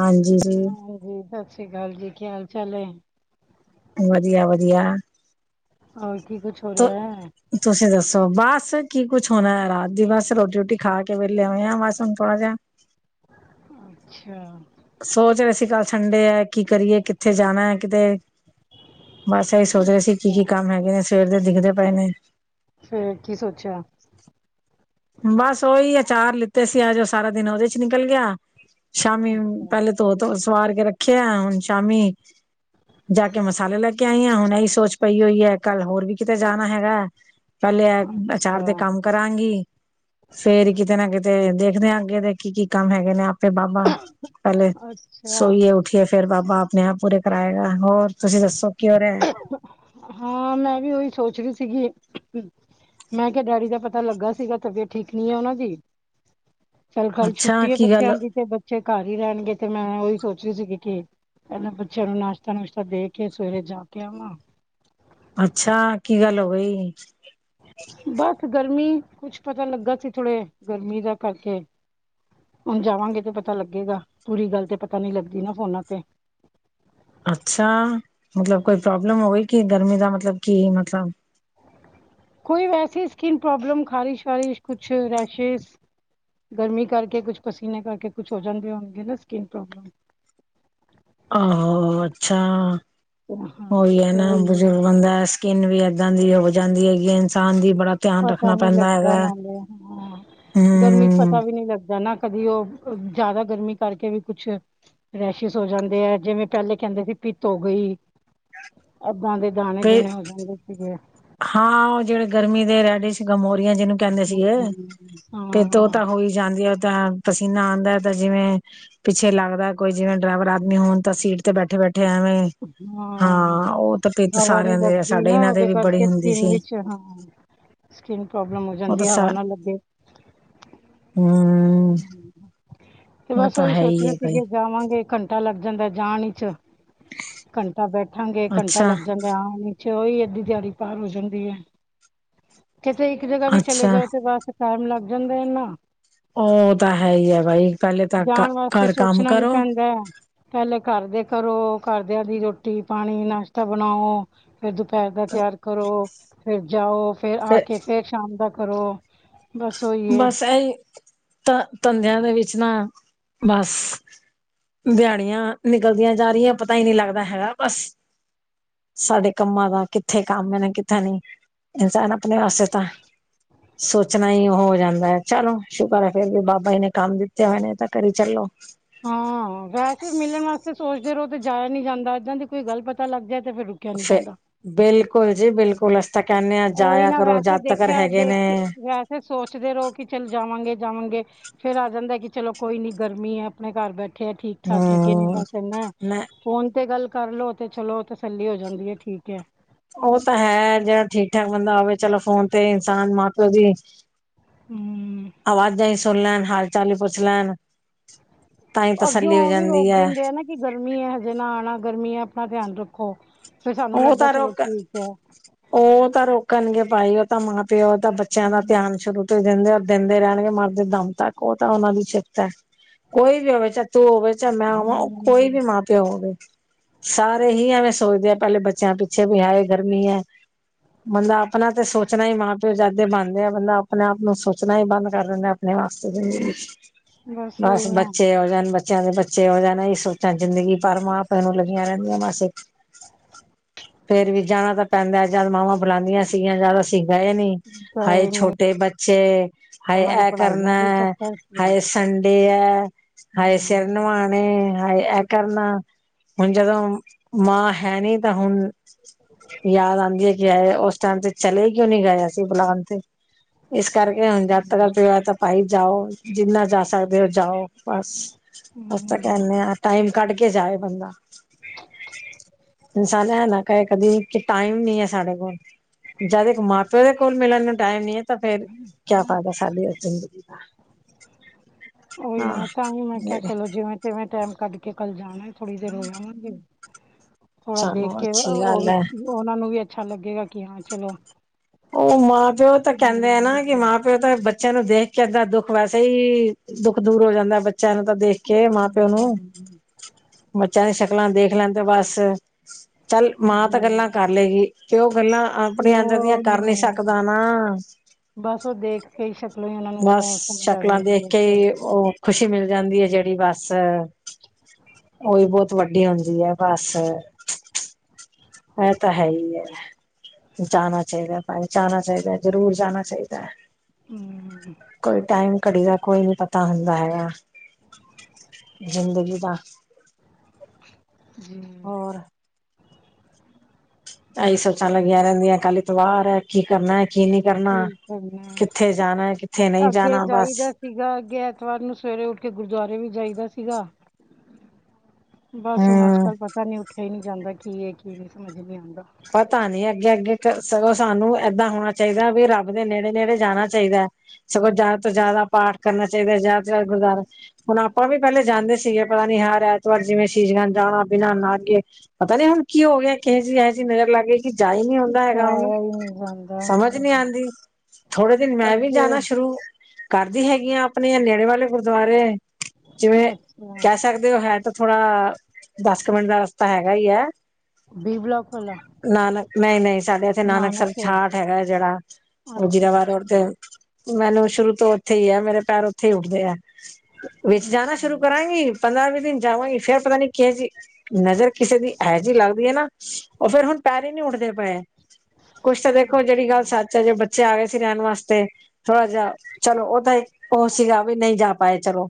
ਹਾਂਜੀ ਜੀ ਹਾਂਜੀ ਸਤਿ ਸ੍ਰੀ ਅਕਾਲ ਜੀ, ਕੀ ਹਾਲ -ਚਾਲ ਏ? ਵਧੀਆ-ਵਧੀਆ। ਹੋਰ, ਕੀ ਕੁਛ ਹੋ ਰਿਹਾ ਹੈ? ਤੁਸੀਂ ਦੱਸੋ, ਬੱਸ ਕੀ ਕੁੱਛ ਹੋਣਾ ਰਾਤ ਦੀ ਬਸ ਰੋਟੀ- ਰੋਟੀ ਖਾ ਕੇ ਵੇਲੇ ਆਵੇਂ ਆ ਬਸ ਹੁਣ ਥੋੜਾ ਜਿਹਾ। ਅੱਛਾ। ਸੋਚ ਰਹੇ ਸੀ ਕੱਲ ਠੰਡੇ ਏ, ਕੀ ਕਰੀਏ ਕਿੱਥੇ ਜਾਣਾ ਏ ਕਿਤੇ ਬਸ ਇਹੀ ਸੋਚ ਰਹੇ ਸੀ ਕੀ ਅੱਛਾ ਕੀ ਕੰਮ ਹੈਗੇ ਨੇ ਸਵੇਰ ਦੇ ਦਿਖਦੇ ਪਏ ਨੇ। ਫੇਰ ਕੀ ਸੋਚਿਆ। ਬਸ ਉਹੀ, ਆਚਾਰ ਲਿੱਤੇ ਸੀ ਆਜ ਜੋ ਸਾਰਾ ਦਿਨ ਉਹਦੇ 'ਚ ਨਿਕਲ ਗਿਆ, ਸ਼ਾਮੀ ਪਹਿਲੇ ਤੋ ਤੋ ਸਵਾਰ ਕੇ ਰੱਖੇ ਏ, ਹੁਣ ਸ਼ਾਮੀ ਜਾ ਕੇ ਮਸਾਲੇ ਲੈ ਕੇ ਆਈ ਆ, ਹੁਣ ਇਹੀ ਸੋਚ ਪਈ ਹੋਈ ਏ, ਕੱਲ ਹੋਰ ਵੀ ਕਿਤੇ ਜਾਣਾ ਹੈਗਾ। ਪਹਿਲੇ ਐ, ਅੱਛਾ ਆਚਾਰ ਦੇ ਅੱਛਾ ਕੰਮ ਕਰਾਂਗੀ। ਫ਼ੇਰ ਕਿਤੇ ਨਾ ਕਿਤੇ, ਦੇਖਦੇ ਆ ਅੱਗੇ ਦੇ ਕੀ- ਕੀ ਕੰਮ ਹੈਗੇ ਨੇ ਤੇ ਬਾਬਾ, ਪਹਿਲੇ, ਅੱਛਾ ਸੋਈ ਏ ਉਠ ਉੱਠੀਏ ਫੇਰ ਬਾਬਾ ਆਪਣੇ ਆਪ ਪੂਰੇ ਕਰਾਏਗਾ, ਹੋਰ ਤੁਸੀਂ ਦੱਸੋ ਕਿ ਹੋ ਰਿਹਾ ਏ। ਹਾਂ, ਮੈਂ ਵੀ ਉਹੀ ਸੋਚ ਰਹੀ ਸੀਗੀ। ਮੈਂ ਕਿਹਾ ਡੈਡੀ ਦਾ ਪਤਾ ਲੱਗਾ ਸੀਗਾ ਤਬੀਅਤ ਠੀਕ ਨੀ ਏ ਉਹਨਾ ਦੀ। ਚੱਲ ਕੱਲ ਅੱਛਾ ਛੁੱਟੀ ਏ ਕੀ ਬੱਚਿਆਂ ਗੱਲ ਦੀ ਤੇ, ਬੱਚੇ ਘਰ ਹੀ ਰਹਿਣਗੇ ਤੇ ਮੈਂ ਉਹੀ ਸੋਚ ਰਹੀ ਸੀਗੀ ਕਿ ਪਹਿਲਾਂ ਬੱਚਿਆਂ ਨੂੰ ਨਾਸ਼ਤਾ ਨੁਸ਼ਤਾ ਦੇ ਕੇ, ਸਵੇਰੇ ਜਾ ਕੇ ਆਵਾਂ। ਅੱਛਾ, ਕੀ ਗੱਲ ਹੋ ਗਈ। ਬਸ ਗਰਮੀ, ਕੁਛ ਪਤਾ ਲੱਗਾ ਸੀ ਥੋੜੇ ਗਰਮੀ ਦਾ ਕਰਕੇ ਹੁਣ ਜਾਵਾਂਗੇ ਤੇ ਪਤਾ ਲੱਗੇਗਾ, ਪੂਰੀ ਗੱਲ ਤੇ ਪਤਾ ਨੀ ਲੱਗਦੀ ਨਾ ਫੋਨਾਂ ਤੇ। ਅੱਛਾ, ਮਤਲਬ ਕੋਈ ਪ੍ਰੋਬਲਮ ਹੋ ਗਈ ਕਿ ਗਰਮੀ ਦਾ ਮਤਲਬ ਕੀ ਮਤਲਬ। ਕੋਈ ਵੈਸੀ ਸਕਿਨ ਪ੍ਰੋਬਲਮ, ਖ਼ਾਰਿਸ਼ -ਵਾਰਿਸ਼ ਕੁਛ ਰੈਸ਼ਜ਼ ਗਰਮੀ ਕਰਕੇ ਕੁਛ ਪਸੀਨੇ ਕਰਕੇ ਕੁਛ ਹੋ ਜਾਂਣਦੇ ਹੋਣਗੇ ਨਾ ਸਕਿਨ ਪ੍ਰੋਬਲਮ। ਆਹੋ ਅੱਛਾ, ਉਹੀ ਹਾਂ ਏ ਤੇ ਨਾ ਉਹੀ ਹੈ, ਬਜ਼ੁਰਗ ਬੰਦਾ ਸਕਿੰਨ ਵੀ ਏਦਾਂ ਦੀ ਹੋ ਜਾਂਦੀ ਹੈਗੀ, ਇਨਸਾਨ ਦੀ ਬੜਾ ਧਿਆਨ ਪਤਾ ਰੱਖਣਾ ਨੀ ਪੈਂਦਾ ਲੱਗਦਾ ਹੈਗਾ ਨਾਲੇ, ਹਾਂ ਗਰਮੀ 'ਚ ਹਮ ਪਤਾ ਵੀ ਨੀ ਲੱਗਦਾ ਨਾ ਕਦੀ ਉਹ ਜ਼ਿਆਦਾ ਗਰਮੀ ਕਰਕੇ ਵੀ ਕੁਛ ਰੈਸ਼ਿਸ ਹੋ ਜਾਂਦੇ ਏ, ਜਿਵੇਂ ਪਹਿਲੇ ਕਹਿੰਦੇ ਸੀ ਪਿਤ ਹੋ ਗਈ, ਐਦਾਂ ਦੇ ਦਾਣੇ ਤੇ ਦੂਣੇ ਹੋ ਜਾਂਦੇ ਸੀਗੇ। ਹਾਂ ਉਹ ਜਿਹੜੇ ਗਰਮੀ ਦੇ ਰੈਡਿਸ ਗਮੋਰੀਆਂ ਜਿਹਨੂੰ ਕਹਿੰਦੇ ਸੀਗੇ, ਹਮ, ਤੇ ੳ ਹਾਂ ਤਾਂ ਹੋਈ ਜਾਂਦੀ ਆ ਤਾਂ ਪਸੀਨਾ ਆਉਂਦਾ ਤਾਂ ਜਿਵੇਂ ਪਿੱਛੇ ਲੱਗਦਾ ਕੋਈ ਜਿਵੇਂ ਡਰਾਈਵਰ ਆਦਮੀ ਹੋਣ ਤਾਂ ਸੀਟ ਤੇ ਬੈਠੇ- ਬੈਠੇ ਐਵੇਂ ਹਾਂ, ਉਹ ਤਾਂ ਪਿੱਤ ਹਵਾ ਨੀ ਸਾਰਿਆਂ ਦੇ ਆ ਲੱਗਦੀ ਸਾਡੇ ਨਾ ਇਹਨਾਂ ਦੇ ਉਹਦੇ ਵੀ ਕਰ ਬੜੀ ਕਰਕੇ ਹੁੰਦੀ ਸਕਿੰਨ ਸੀ ਵਿੱਚ ਹਾਂ, ਸਕਿੰਨ ਪ੍ਰੋਬਲਮ ਹੋ ਉਹ ਤਾਂ ਜਾਂਦੀ ਹਵਾ ਨਾ ਲੱਗੇ ਹੂੰ ਤੇ ਬਸ ਉਹੀ ਹੈ ਹੀ ਸੋਚਦੇ ਹੈ ਭਾਈ ਸੀਗੇ। ਜਾਵਾਂਗੇ ਘੰਟਾ ਲੱਗ ਜਾਂਦਾ ਜਾਣ ਵਿਚ, ਘੰਟਾ ਬੈਠਾਂਗੇ, ਘੰਟਾ ਅੱਛਾ ਲੱਗ ਜਾਂਦਾ ਆਣ 'ਚ, ਉਹੀ ਅਦੀ ਦਿਹਾੜੀ ਪਾਰ ਹੋ ਜਾਂਦੀ ਏ। ਕਿਤੇ ਇੱਕ ਜਗ੍ਹਾ ਵੀ ਚਲੇ ਅੱਛਾ ਜਾਓ ਤੇ ਬਸ ਟਾਈਮ ਲੱਗ ਜਾਂਦਾ ਇਨਾ ਉਹ ਤਾਂ ਹੈ ਹੀ ਏ ਬਾਈ। ਪਹਿਲੇ ਤਾਂ ਜਾਣ ਵਾਸਤੇ ਘਰ ਕੰਮ ਸੋਚਣਾ ਵੀ ਕਰੋ ਪੈਂਦਾ ੲੈ। ਪਹਿਲੇ ਘਰ ਦੇ ਘਰੋ, ਘਰਦਿਆਂ ਦੀ ਰੋਟੀ, ਪਾਣੀ, ਨਾਸ਼ਤਾ ਬਣਾਓ। ਫੇਰ ਦੁਪਹਿਰ ਦਾ ਤਿਆਰ ਕਰੋ, ਫੇਰ ਜਾਓ, ਫੇਰ ਆ ਤੇ ਕੇ ਫੇਰ ਸ਼ਾਮ ਦਾ ਕਰੋ। ਬਸ ਉਹੀ ਹੈ ਬਸ ਏਹੀ, ਧ ਧੰਦਿਆਂ ਦੇ ਵਿੱਚ ਨਾ ਬਸ ਦਿਹਾੜੀਆਂ ਨਿਕਲਦੀਆਂ ਜਾ ਰਹੀਆਂ ਪਤਾ ਹੀ ਨਹੀਂ ਲੱਗਦਾ ਹੈਗਾ ਬਸ ਸਾਡੇ ਕੰਮਾਂ ਦਾ, ਕਿੱਥੇ ਕੰਮ ਇਹ ਨਾ, ਕਿੱਥੇ ਨਹੀਂ, ਸਾਨੂ ਆਪਣੇ ਵਾਸਤੇ ਤਾਂ‌ ਸੋ ਚਣਾ ਹੀ ਹੋ ਜਾਂਦਾ ਏ, ਚਲੋ ਸ਼ੁਕਰ ਏ ਫੇਰ ਵੀ ਬਾਬਾ ਜੀ ਨੇ ਕੰਮ ਦਿੱਤੇ ਹੋਏ ਨੇ ਤਾਂ ਕਰੀ ਚੱਲੋ। ਹਾਂ, ਵੈਸੇ ਮਿਲਣ ਵਾਸਤੇ ਸੋਚਦੇ ਰਹੋ ਤੇ ਜਾਇਆ ਨੀ ਜਾਂਦਾ, ਇੱਦਾਂ ਦੀ ਕੋਈ ਗੱਲ ਪਤਾ ਲੱਗ ਜਾਏ ਤੇ ਫਿਰ ਨਹੀਂ ਫ ਜਾਂਦਾ ਬਿਲਕੁਲ ਜੀ ਬਿਲਕੁਲ, ਅਸੀਂ ਤਾਂ ਕਹਿੰਨੇ ਹਾਂ ਉਹੀ ਜਾਇਆ ਕਰੋ ਜਦ ਤਕ ਹੈਗੇ ਨੇ। ਫਿਰ ਸੋਚਦੇ ਰਹੋ ਕਿ ਚੱਲ ਜਾਵਾਂਗੇ, ਜਾਵਾਂਗੇ ਫੇਰ ਆ ਜਾਂਦਾ ਕਿ ਚਲੋ ਕੋਈ ਨੀ ਗਰਮੀ ਏ, ਆਪਣੇ ਘਰ ਬੈਠੇ ਏ ਠੀਕ ਠਾਕ ਹੈਗੇ ਨੇ, ਹਮ ਬਸ ਇਨਾ ਨਾ ਫੋਨ ਤੇ ਗੱਲ ਕਰਲੋ ਤੇ ਚਲੋ ਤਸੱਲੀ ਹੋ ਜਾਂਦੀ ਹੈ, ਠੀਕ ਹੈ। ਉਹ ਤਾਂ ਹੈ, ਜਿਹੜਾ ਠੀਕ ਠਾਕ ਬੰਦਾ ਹੋਵੇ ਚਲੋ ਫੋਨ ਤੇ ਇਨਸਾਨ ਮਾਂ ਪਿਓ ਦੀ ਹੂੰ। ਆਵਾਜ਼ਾਂ ਹੀਂ ਸੁਣ ਲੈਣ, ਹਾਲ ਚਾਲ ਹੀ ਪੁੱਛ ਲੈਣ। ਤਾਂ ਹੀ ਅੱਗੋਂ ਤਸੱਲੀ ਹੋ ਉਹ ਵੀ ਰੋਕ ਜਾਂਦੀ ਹੈ ਦਿੰਦੇ ਆ ਨਾ, ਗਰਮੀ ਹੈ ਹਜੇ ਨਾ ਆਉਣਾ ਗਰਮੀ ਹੈ, ਆਪਣਾ ਧਿਆਨ ਰੱਖੋ। ਫੇਰ ਸਾਨੂੰ ਉਹ ਲੱਗਦਾ ਤਾਂ ਚਲੋ ਰੋਕ ਠੀਕ ਹੈ। ਉਹ ਤਾਂ ਰੋਕਣਗੇ ਭਾਈ, ਉਹ ਤਾਂ ਮਾਂ ਪਿਓ ਤਾਂ ਬੱਚਿਆਂ ਦਾ ਧਿਆਨ ਹਮ ਸ਼ੁਰੂ ਤੇ ਦਿੰਦੇ ਆ ਦਿੰਦੇ ਰਹਿਣਗੇ ਮਰਦੇ ਦਮ ਤੱਕ, ਉਹ ਤਾਂ ਉਹਨਾਂ ਦੀ ਚਿੰਤਾ ਹੈ ਕੋਈ ਵੀ ਹੋਵੇ ਤੂੰ ਹੋਵੇ ਜਾਂ ਮੈਂ ਹੋਵਾਂ, ਉਹ ਕੋਈ ਹਮ ਵੀ ਮਾਂ ਪਿਓ ਹੋਵੇ, ਸਾਰੇ ਹੀ ਐਵੇਂ ਸੋਚਦੇ ਆ। ਪਹਿਲੇ ਬੱਚਿਆਂ ਪਿੱਛੇ ਵੀ ਹੈਏ ਗਰਮੀ ਹੈ। ਬੰਦਾ ਆਪਣਾ ਤੇ ਸੋਚਣਾ ਹੀ ਮਾਂ ਪਿਓ ਜਦ ਬਣਦੇ ਆ, ਬੰਦਾ ਆਪਣੇ ਆਪ ਨੂੰ ਸੋਚਣਾ ਹੀ ਬੰਦ ਕਰ ਦਿੰਦਾ। ਜਮਾ ਸਹੀ। ਬਸ ਉਹੀ ਨਾ ਬੱਚੇ ਹੋ ਜਾਣ, ਬੱਚਿਆਂ ਦੇ ਬੱਚੇ ਹੋ ਜਾਣ, ਇਹੀ ਸੋਚਾਂ ਜ਼ਿੰਦਗੀ ਹਮ ਭਰ ਮਾਂ ਪਿਉ ਨੂੰ ਲੱਗੀਆਂ ਰਹਿੰਦੀਆਂ ਬਸ। ਹੂੰ। ਫੇਰ ਵੀ ਜਾਣਾ ਤਾਂ ਪੈਂਦਾ, ਜਦ ਮਾਵਾਂ ਬੁਲਾਉਂਦੀਆਂ ਸੀਗੀਆਂ ਜਦ ਅਸੀਂ ਗਏ ਨੀ, ਹਾਏ ਗਏ ਨੇ ਛੋਟੇ ਬੱਚੇ ਬੱਚੇ, ਹਾਏ ਉਹਨਾਂ ਦੀ ਇਹ ਕਰਨਾ ਪੜ੍ਹਾਈਆਂ ਦੇ ਹੈ, ਚੱਕਰ ਤੇ ਹਾਏ ਸੰਡੇ ਹੈ, ਹਾਏ ਸਿਰ ਹਮ ਨਿਵਾਉਣਾ ਨਿਵਾਉਣੇ ਨੇ ਹਾਏ, ਇਹ ਕਰਨਾ ਹੁਣ ਜਦੋਂ ਮਾਂ ਹੈ ਨੀ ਤਾਂ ਹੁਣ ਯਾਦ ਆਉਂਦੀ ਹੈ ਕਿ ਹਾਏ ਉਸ ਟਾਈਮ ਤੇ ਚਲੇ ਕਿਉਂ ਨੀ ਗਏ, ਅਸੀ ਬੁਲਾਉਣ ਤੇ। ਇਸ ਕਰਕੇ ਹੁਣ ਜਦ ਤੱਕ ਹਮ ਪਿੳ ਹੈ ਤਾਂ ਭਾਈ ਜਾਓ, ਜਿੰਨਾ ਜਾ ਸਕਦੇ ਹੋ ਜਾਓ ਬਸ। ਆਪਾਂ ਹਮ, ਕਹਿੰਦੇ ਆ, ਟਾਈਮ ਕੱਢ ਕੇ ਜਾਏ ਬੰਦਾ। ਇਨਸਾਨ ਇਹ ਨਾ ਕਹੇ ਕਦੀ, ਕਿ ਟਾਈਮ ਨਹੀਂ ਹੈ ਸਾਡੇ ਕੋਲ। ਜਦ ਇੱਕ ਮਾਂ ਪਿਓ ਦੇ ਕੋਲ ਮਿਲਣ ਨੂੰ ਟਾਈਮ ਨੀ ਹੈ ਤਾਂ ਫੇਰ, ਕਿਆ ਫਾਇਦਾ ਸਾਡੀ ਜ਼ਿੰਦਗੀ ਦਾ। ਉਹੀ ਨਾ ਤਾਂ ਵੀ ਮੈਂ ਕਿਹਾ ਹਾਂ ਚਲੋ ਜਿਵੇਂ, ਕਿਵੇਂ ਟਾਈਮ ਕੱਢ ਕੇ ਕੱਲ ਜਾਣਾ, ਥੋੜ੍ਹੀ ਦੇਰ ਹੋ ਆਵਾਂਗੀ। ਥੋੜਾ ਚਲੋ ਦੇਖ ਕੇ ਅੱਛੀ ਗੱਲ ਔਰ ਹੈ ਉਹਨਾਂ ਨੂੰ ਵੀ ਅੱਛਾ ਲੱਗੇਗਾ, ਕਿ ਹਾਂ ਚਲੋ ਉਹ ਮਾਂ ਪਿਓ ਤਾਂ ਨਹੀਂ, ਕਹਿੰਦੇ ਆ ਨਹੀਂ, ਨਾ, ਕਿ ਨਹੀਂ, ਮਾਂ ਪਿਓ ਪਿਓ ਤਾਂ ਬੱਚਿਆਂ ਨੂੰ ਦੇਖ ਕੇ ਅੱਦਾਂ ਦੁੱਖ ਵੈਸੇ ਹੀ, ਦੁੱਖ ਦੂਰ ਹੋ ਜਾਂਦਾ। ਬੱਚਿਆਂ ਨੂੰ ਤਾਂ ਦੇਖ ਕੇ ਮਾਂ ਪਿਓ ਨੂੰ, ਹਮ, ਬੱਚਿਆਂ ਦੀਆਂ ਸ਼ਕਲਾਂ ਦੇਖ ਲੈਣ ਤੇ ਬਸ। ਚੱਲ ਮਾਂ ਤਾਂ ਗੱਲਾਂ ਜੀ ਕਰ ਲਏਗੀ, ਪਿੳ ਗੱਲਾਂ ਆਪਣੇ ਅੰਦਰ ਦੀਆਂ ਕਰ ਨੀ ਹੂੰ, ਸਕਦਾ ਨਾ ਬਸ ਉਹ ਦੇਖ। ਕਹੀ ਸ਼ਕਲੋ ਉਹਨਾਂ ਨੂੰ ਬਸ ਉਹ ਸਮਝ ਆ ਸ਼ਕਲਾਂ ਜਾਂਦੀ ਦੇਖ ਕੇ ਕਿ ਹਾਂ। ਉਹ ਖੁਸ਼ੀ ਮਿਲ ਜਾਂਦੀ ਏ ਜਿਹੜੀ ਬਸ। ਉਹੀ ਬਹੁਤ ਵੱਡੀ ਹੁੰਦੀ ਹੈ ਬਸ। ਇਹ ਤਾਂ ਹੈ ਹੀ ਐ, ਜਾਣਾ ਚਾਹੀਦਾ। ਹਾਂਜੀ ਜਾਣਾ ਚਾਹੀਦਾ ਜ਼ਰੂਰ ਜਾਣਾ ਚਾਹੀਦਾ। ਹੂੰ। ਕੋਈ ਟਾਈਮ ਘੜੀ ਦਾ ਕੋਈ ਨੀ ਪਤਾ ਹੁੰਦਾ ਹੈਗਾ। ਜ਼ਿੰਦਗੀ ਦਾ। ਜੀ। ਹੋਰ ਆਹੀਂ ਸੋਚਾਂ ਲੱਗੀਆਂ ਰਹਿੰਦੀਆਂ ਕੱਲ ਐਤਵਾਰ ਏ ਕੀ ਕਰਨਾ ਹੈ ਕੀ ਨਹੀਂ। ਕਰਨਾ, ਕੀ ਕਰਨਾ ਕਿੱਥੇ ਜਾਣਾ, ਕਿੱਥੇ ਨਹੀਂ ਅੱਗੇ ਜਾਣਾ ਬਸ। ਜਾਈਦਾ ਸੀਗਾ ਅੱਗੇ ਐਤਵਾਰ ਨੂੰ ਸਵੇਰੇ ਉੱਠ ਕੇ ਗੁਰਦੁਆਰੇ ਵੀ ਜਾਈਦਾ ਸੀਗਾ। ਬਸ ਹੁਣ ਹਮ ਅੱਜਕੱਲ ਪਤਾ ਨੀ ਉੱਠਿਆ ਹੀ ਨਹੀਂ ਜਾਂਦਾ ਕੀ ਹੈ ਕੀ ਨਹੀਂ ਸਮਝ ਨੀ ਆਂਦਾ। ਪਤਾ ਨੀ ਅੱਗੇ ਅੱਗੇ ਸਗੋਂ ਸਾਨੂੰ ਏਦਾਂ ਹੋਣਾ ਚਾਹੀਦਾ ਵੀ ਰੱਬ ਦੇ ਨੇੜੇ-ਨੇੜੇ ਜਾਣਾ ਚਾਹੀਦਾ। ਸਗੋਂ ਜ਼ਿਆਦਾ ਤੋਂ ਜ਼ਿਆਦਾ ਪਾਠ ਕਰਨਾ ਚਾਹੀਦਾ ਜ਼ਿਆਦਾ ਤੋਂ ਜ਼ਿਆਦਾ ਗੁਰਦੁਆਰੇ ਹੁਣ ਆਪਾਂ ਵੀ ਪਹਿਲੇ ਜਾਂਦੇ ਸੀਗੇ। ਪਤਾ ਨੀ ਹਰ ਐਤਵਾਰ ਜਿਵੇਂ ਸ਼ੀਸ ਗੰਜ ਜਾਣਾ ਬਿਨਾਂ ਨਾ ਕੇ, ਪਤਾ ਨੀ ਹੁਣ ਕੀ ਹੋ ਗਿਆ ਕਿਹੀਂ ਜੀ ਕਿ ਨਜ਼ਰ ਲੱਗ ਗਈ ਕਿ ਜਾ ਈ ਨੀ ਹੁੰਦਾ ਹੈਗਾ ਹੁਣ, ਜਾਇਆ ਹੀ ਨਹੀਂ ਜਾਂਦਾ ਸਮਝ ਨੀ ਆਂਦੀ। ਥੋੜੇ ਦਿਨ ਮੈਂ ਵੀ ਅੱਗੇ ਜਾਣਾ ਸ਼ੁਰੂ- ਕਰਦੀ ਹੈਗੀ ਆਂ ਆਪਣੀਆਂ ਨੇੜੇ ਵਾਲੇ ਗੁਰਦੁਆਰੇ, ਜਿਵੇਂ ਅੱਛਾ ਕਹਿ ਸਕ ਤੇ ਉਹ ਹੈ ਤੇ ਥੋੜਾ, ਦਸ ਕੁ ਮਿੰਟ ਦਾ ਰਸਤਾ ਹੈਗਾ ਈ ਐ। ਬੀ ਬਲੋਕ ਵਾਲਾ। ਨਾਨਕ ਨਈ-ਨਈ ਸਾਡੇ ਏਥੇ ਨਾਨਕ ਨਾਨਕਸਰ ਸਰ ਛਾਟ ਹੈਗਾ ਜਿਹੜਾ। ਵਜੀਰਾ ਅੱਛਾ ਵਾਰ ਅੱਛਾ ਰੋਡ ਤੇ। ਮੈਨੂੰ ਸ਼ੁਰੂ ਤੋਂ ਓਥੇ ਈ ਐ ਮੇਰੇ ਪੈਰ ਓਥੇ ਈ ਉੱਠਦੇ ਐ। ਵਿੱਚ ਜਾਣਾ ਅੱਛਾ ਸ਼ੁਰੂ ਕਰਾਂਗੀ। ਪੰਦਰਾਂ ਵੀਹ ਦਿਨ ਜਾਵਾਂਗੀ ਫੇਰ ਪਤਾ ਨੀ ਕਿਹੇ ਜੀ ਨਜ਼ਰ ਕਿਸੇ ਦੀ ਏਹੇ ਜੀ ਲੱਗਦੀ ਐ ਨਾ ਉਹ ਫੇਰ ਹੁਣ ਪੈਰ ਈ ਨੀ ਉੱਠਦੇ ਪਏ। ਕੁਛ ਤੇ ਦੇਖੋ ਜਿਹੜੀ ਅੱਛਾ ਗੱਲ ਸੱਚ- ਆ ਜੇ ਵੇ ਬੱਚੇ ਆ ਗਏ ਸੀ ਰਹਿਣ ਵਾਸਤੇ। ਥੋੜਾ ਜਾ, ਚਲੋ ਉਹ ਤਾਂ ਓ ਸੀਗਾ ਵੀ ਨਈ ਜਾ ਪਾਏ ਚਲੋ।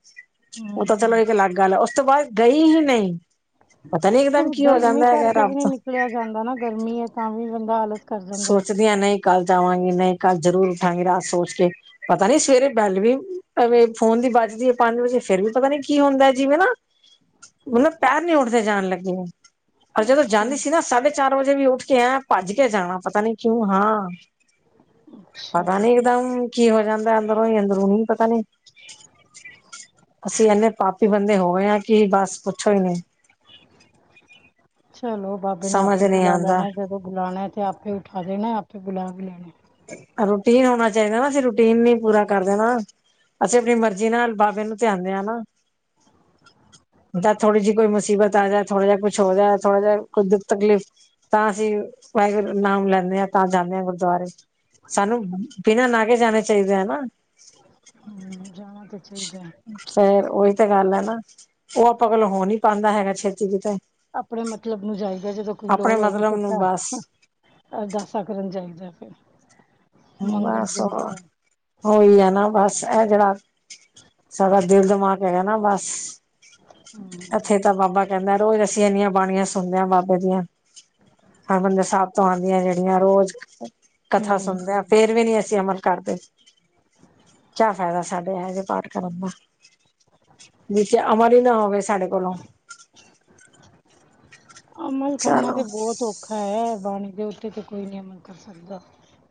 ਹਮ ਉਹ ਤਾਂ ਚਲੋ ਹਮ ਇੱਕ ਅਲੱਗ ਗੱਲ ਆ ਉਸ ਤੋਂ ਬਾਅਦ ਗਈ ਹੀ ਨਈ। ਫਿਰ ਗਰਮੀ ਕਰਕੇ ਰੱਬ ਵੀ ਤੋਂ ਨੀ ਨਿਕਲਿਆ ਜਾਂਦਾ ਨਾ ਗਰਮੀ ਏ ਤਾਂ ਵੀ ਬੰਦਾ ਆਲਸ- ਕਰ ਜਾਂਦਾ ਸੋਚਦੀ ਆਂ ਨ‌ਈ ਕੱਲ ਜਾਵਾਂਗੀ ਨਹੀਂ ਕੱਲ ਜ਼ਰੂਰ ਉੱਠਾਂਗੀ ਰਾਤ ਸੋਚ ਕੇ- ਪਤਾ ਨੀ ਸਵੇਰੇ ਬੈਲ ਵੀ ਫੋਨ ਦੀ ਵੱਜਦੀ ਏ ਪੰਜ ਵਜੇ ਫੇਰ ਵੀ ਪਤਾ ਨੀ ਕੀ ਹੁੰਦਾ ਜਿਵੇਂ ਨਾ- ਮਲਬ ਪੈਰ ਨੀ ਉੱਠਦੇ ਜਾਣ ਲੱਗੇ ਆਂ। ਪਰ ਹੈ। ਜਦੋਂ ਅੱਛਾ ਜਾਂਦੀ ਸੀ ਨਾ ਸਾਢੇ ਚਾਰ ਵਜੇ ਵੀ ਉੱਠ ਕੇ ਐਂ ਭੱਜ ਕੇ ਜਾਣਾ। ਪਤਾ ਨਹੀਂ ਕਿਉਂ ਹਾਂ, ਪਤਾ ਅੱਛਾ ਨੀ। ਇਕਦਮ ਕੀ ਹੋ ਜਾਂਦਾ ਅੰਦਰੋਂ ਹੀ ਅੰਦਰੋਂ ਨੀ ਪਤਾ ਨੀ। ਅਸੀਂ ਏਨੇ ਪਾਪੀ ਬੰਦੇ ਹੋਗੇ ਆ ਕੀ ਬਸ ਪੁੱਛੋ ਈ ਨੀ। ਚਲੋ ਬਾਬੇ ਨੇ ਸਮਝ ਆਪੇ ਨਹੀਂ ਬੁਲਾ ਆਉਂਦਾ ਲੈਣਾ ਜਦੋਂ ਬੁਲਾਣਾ ਤੇ ਆਪੇ ਉਠਾ ਦੇਣਾ ਆਪੇ ਬੁਲਾ ਵੀ ਲੈਣਾ। ਰੂਟੀਨ ਹੋਣਾ ਚਾਈਦਾ ਨਾ ਫਿਰ ਰੋ- ਰੂਟੀਨ ਨੀ ਪੂਰਾ ਕਰ ਦੇ ਨਾਂ, ਅਸੀਂ ਆਪਣੀ ਮਰਜ਼ੀ ਨਾਲ ਬਾਬੇ ਨੂੰ ਧਿਆਦੇ ਆਂ ਨਾ। ਜਦ ਥੋੜੀ ਜੀ ਕੋਈ ਮੁਸੀਬਤ ਆ ਜਾਏ ਥੋੜਾ ਜਾ ਕੁਛ ਹੋ ਜਾਏ, ਥੋੜਾ ਜਾ ਕੋਈ ਦੁੱਖ ਤਕਲੀਫ਼- ਤਾਂ ਅਸੀਂ, ਵਾਹਿਗੁਰੂ ਨਾਮ ਲੈਂਨੇ ਆ ਤਾਂ ਜਾਨੇ ਆਂ ਗੁਰਦੁਆਰੇ। ਸਾਨੂੰ ਬਿਨਾਂ ਨਾਗੇ ਜਾਣਾ ਚਾਈਦਾ ਏ ਨਾ। ਹੂੰ ਜਾਣਾ ਤੇ ਚਾਈਦਾ। ਫੇਰ ਓਈ ਤੇ ਗੱਲ ਐ ਨਾ, ਉਹ ਆਪਾਂ ਕੋਲੋਂ ਹੋ ਨੀ ਪਾਂਦਾ ਹੈਗਾ ਛੇਤੀ ਕਿਤੇ। ਅਪਨੇ ਮਤਲਬ ਨੂੰ ਜਾਈਦਾ ਜਦੋਂ ਕੋਈ ਆਪਣੇ ਲੋੜ ਹੋਵੇ ਮਤਲਬ ਫੇਰ ਨੂੰ ਬਸ ਤਾਂ ਅਰਦਾਸਾਂ ਕਰਨ ਜਾਈਦਾ ਫੇਰ, ਮੰਗਣ ਜਾਈਦਾ। ਓਈ ਐ ਨਾ ਬਸ ਐ ਜੇੜਾ ਸਾਡਾ ਦੇਲ ਦਿਮਾਗ ਹੈਗਾ ਨਾ ਬਸ। ਹਮ ਐਥੇ ਤਾਂ ਬਾਬਾ ਕੈਂਦਾ ਰੋਜ਼ ਅਸੀਂ ਏਨੀਆਂ ਬਾਣੀਆਂ ਸੁਣਦੇ ਆਂ ਬਾਬੇ ਦੀਆਂ। ਹਰਮੰਦਰ ਸਾਬ ਤੋਂ ਆਂਦੀਆਂ ਜੇੜੀਆਂ ਰੋਜ਼, ਕਥਾ ਹਮ ਸੁਣਦੇ ਆ। ਹਮ ਫੇਰ ਵੀ ਨੀ ਅਸੀਂ ਅਮਲ ਕਰਦੇ, ਕਿਆ ਫੈਦਾ ਸਾਡੇ ਏਹੋ ਜੇ ਪਾਠ ਕਰਨ ਦਾ। ਨੀਚੇ ਅਮਲ ਈ ਨਾ ਹੋਵੇ ਸਾਡੇ ਕੋਲੋਂ। ਅਮਲ ਕਰਨਾ ਤੇ ਚਲੋ ਬੋਤ ਔਖਾ ਐ, ਬਾਣੀ ਦੇ ਉੱਤੇ ਤੇ ਕੋਈ ਨੀ ਅਮਲ ਕਰ ਸਕਦਾ।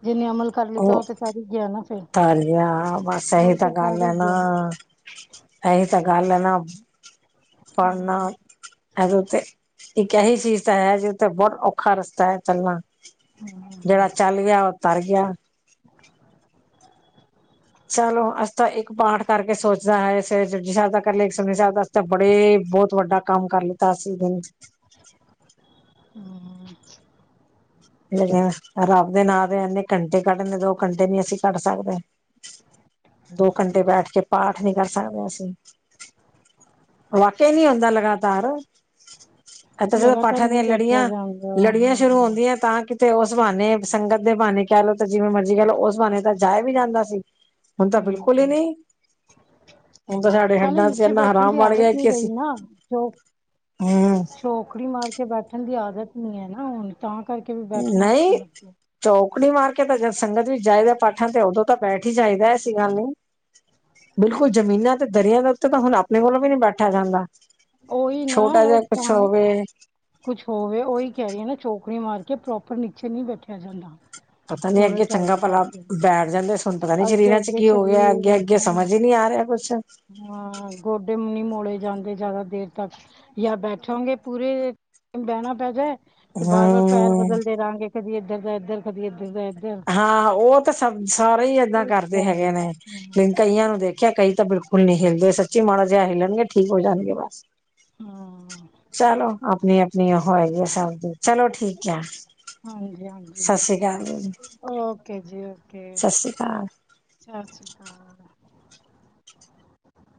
ਜਿਨੇ ਅਮਲ ਕਰ ਲੀਤਾ ਓ ਤੇ ਤਰ ਈ ਗੇਆ ਨਾ। ਫਿਰ ਤਰ ਗਿਆ ਬਸ ਏਈ ਉਹ ਤੇ ਗੱਲ ਕਰ ਐ ਹੀ ਨਾ। ਗਿਆ ਐਈ ਤੇ ਗੱਲ ਐ ਨਾ, ਪੜਨਾ ਐਦੇ ਉਤੇ ਏਕ ਐਹੀ ਚੀਜ਼ ਤਾਂ ਹੈ ਜਿਥੇ ਬੋਤ ਔਖਾ ਰਸਤਾ ਐ ਚੱਲਣਾ। ਜੇੜਾ ਚੱਲ ਗਿਆ ਓ ਤਰ ਗੇਆ। ਚਲੋ ਅਸੀਂ ਤਾਂ ਇੱਕ ਪਾਠ ਕਰਕੇ ਸੋਚਦਾ ਐ ਸਵੇਰੇ ਜਪਜੀ ਸੈਬ ਦਾ ਕਰ ਲੇਆ ਇੱਕ ਸੁਖਮਨੀ ਸੈਬ ਦਾ ਤਾਂ ਬੜੇ ਬੋਤ ਵੱਡਾ ਕੰਮ ਕਰ ਲੀਤਾ ਅਸੀਂ ਦਿਨ ਚ। ਹੂੰ। ਲ‌ਈਆਂ ਰੱਬ ਦੇ ਨਾਂ ਦੇ ਐਨੇ ਕੰਟੇ ਕੱਢਦੇ ਦੋ ਕੰਟੇ ਨੀ ਅਸੀਂ ਕੱਢ ਸਕਦੇ। ਦੋ ਘੰਟੇ ਬੈਠ ਕੇ ਪਾਠ ਨੀ ਕਰ ਸਕਦੇ ਅਸੀਂ। ਵਾਕੇਆ ਨੀ ਹੁੰਦਾ ਲਗਾਤਾਰ। ਐਥੇ ਜਦੋਂ ਲਗਾਤਾਰ ਪਾਠਾਂ ਨਹੀਂ ਦੀਆਂ ਬੈਠਿਆ ਜਾਂਦਾ ਲੜੀਆਂ-ਲੜੀਆਂ ਹਾਂ ਸ਼ੁਰੂ ਹੁੰਦੀਆਂ ਤਾਂ ਕਿਤੇ ਓਸ ਬਾਨੇ ਸੰਗਤ ਦੇ ਬਾਨੇ ਕੈ ਲਓ ਤੇ ਜਿਵੇਂ ਮਰਜ਼ੀ ਕੈ ਲਓ ਓਸ ਬਾਨੇ ਤਾਂ ਜਾਇਆ ਵੀ ਜਾਂਦਾ ਸੀ। ਹੁਣ ਤਾਂ ਬਿਲਕੁਲ ਈ ਹਮ ਨਈ। ਹੁਣ ਤਾਂ ਸਾਡੇ ਨਾਲੇ ਹੱਡਾਂ ਚ ਨੀਚੇ ਐਨਾ ਬੈਠਣ ਹਰਾਮ ਦੀ ਬਣ ਗਿਆ ਆਦਤ ਨਹੀਂ ਕਿ ਅਸੀਂ, ਰਹੀ ਹੂੰ ਚੋਖੜੀ ਮਾਰ ਕੇ ਬੈਠਣ ਦੀ ਆਦਤ ਨੀ ਐ ਨਾ ਹੁਣ। ਤਾਂ ਕਰਕੇ ਵੀ ਬੈਠਣਾ ਔਖਾ ਨਈ ਲੱਗਦਾ ਚੌਕੜੀ ਮਾਰ ਕੇ ਤਾਂ ਜਦ ਸੰਗਤ ਵੀਚ ਜਾਈਦਾ ਪਾਠਾਂ ਤੇ ਉਦੋਂ ਤਾਂ ਬੈਠ ਹੀ ਜਾਈਦਾ ਐਸੀ ਗੱਲ ਨਈ। ਬਿਲਕੁਲ ਜ਼ਮੀਨਾਂ ਤੇ ਦਰੀਆ ਦੇ ਉੱਤੇ ਤਾਂ ਹੁਣ ਆਪਣੇ ਕੋਲੋਂ ਵੀ ਨੀ ਬੈਠਾ ਜਾਂਦਾ। ਓਹੀ ਨਾ ਛੋਟਾ ਓ ਜਿਹਾ ਕੁਛ ਤਾਂ ਹੋਵੇ ਕੁਛ ਹੋਵੇ ਓਹੀ ਕੈ ਰਈ ਆ ਨਾ ਚੋਕੜੀ ਮਾਰ ਕੇ ਪ੍ਰੋਪਰ ਨੀਚੇ ਨਈ ਬੈਠਿਆ ਜਾਂਦਾ। ਪਤਾ ਨੀ ਪੂਰੇ ਅੱਗੇ ਚੰਗਾ ਟਾਈਮ ਭਲਾ, ਤੱਕ ਬੈਠ ਜਾਂਦੇ ਹੁਣ ਪਤਾ ਨੀ ਅੱਗੇ ਸਰੀਰਾਂ ਚ ਅੱਗੇ ਕੀ ਹੋ ਗੇਆ ਸਰੀਰ ਅੱਗੇ ਏ ਹਾਂ ਸਮਝ ਈ ਨੀ ਆ ਰੇਆ ਕੁੱਛ। ਹਾਂ ਗੋਡੇ ਮ ਨੀ ਮੋੜੇ ਜਾਂਦੇ ਜਾਦਾ ਦੇਰ ਤੱਕ। ਜਾਂ ਬੈਠੋਗੇ ਪੂਰੇ, ਬੈਣਾ ਪੈਦੈ, ਬਾਰ-ਬਾਰ ਪੈਰ ਹਮ ਬਦਲਦੇ ਰਾਂਗੇ। ਕਦੀ ਏਧਰ ਦਾ ਏਧਰ ਕਦੀ ਏਧਰ ਦਾ ਇੱਧਰ ਹਾਂ ਓ ਤਾਂ ਸ ਸਭ ਸਾਰੇ ਈ ਏਦਾਂ ਕਰਦੇ ਹੈਗੇ ਨੇ, ਤੇ ਹਾਂ ਕਈਆਂ ਨੂੰ ਦੇਖ ਵਾਕੇਆ ਕਈ ਤਾਂ ਬੇਲਕੁਲ ਨਈ ਹੇਲਦੇ ਸੱਚੀ ਮਾੜਾ ਜੇਆ ਹਿਲਣਗੇ ਠੀਕ ਹੋ ਜਾਣਗੇ ਬਸ ਹਾਂ ਚਲੋ ਅਪਣੀ ਅਪਣੀ ਓ ਹੈਗੀ ਆ ਸਭ ਦੀ ਚਲੋ ਠੀਕ ਐ। ਹਾਂਜੀ ਹਾਂਜੀ ਸਸਰੀ ਕਾਲ। ਓਕੇ ਜੀ ਓਕੇ, ਸਸਰੀ ਕਾਲ।